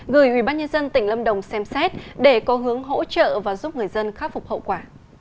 gửi ubnd tỉnh lâm đồng xem xét để có hướng hỗ trợ và giúp người dân khắc phục hậu quả